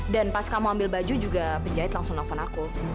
dan pas kamu ambil baju juga penjahit langsung nelfon aku